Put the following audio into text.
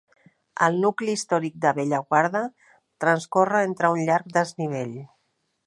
El nucli històric de Bellaguarda transcorre entre un llarg desnivell.